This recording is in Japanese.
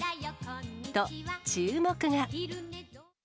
と、注目が。